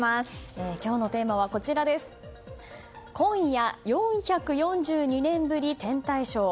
今日のテーマは今夜４４２年ぶり天体ショー。